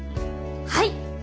はい！